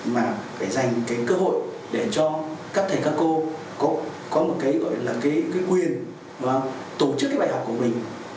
mà phải dành cơ hội để cho các thầy các cô có một quyền tổ chức bài học của mình